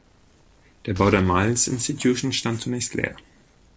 Der Bau der Milne’s Institution stand zunächst leer.